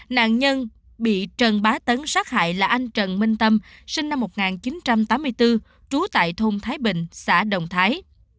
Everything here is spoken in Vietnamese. nạn nhân bị trần bá tấn sát hại là anh trần minh tâm sinh năm một nghìn chín trăm tám mươi bốn trú tại thôn thái bình xã đồng thái